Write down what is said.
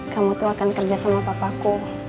kamu tuh akan kerja sama papaku